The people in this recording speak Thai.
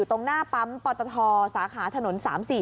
ตรงหน้าปั๊มปตทสาขาถนน๓๔